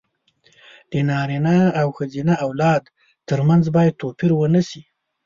د نارينه او ښځينه اولاد تر منځ بايد توپير ونشي.